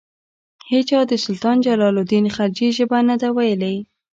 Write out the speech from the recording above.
هیچا د سلطان جلال الدین خلجي ژبه نه ده ویلي.